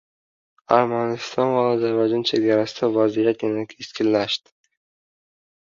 Armaniston va Ozarboyjon chegarasidagi vaziyat yana keskinlashdi.